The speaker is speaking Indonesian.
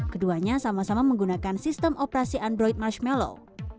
keduanya sama sama menggunakan sistem operasi android marshmallow